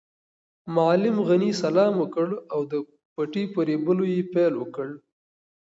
معلم غني سلام وکړ او د پټي په رېبلو یې پیل وکړ.